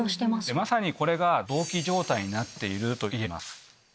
まさにこれが同期状態になってるといえます。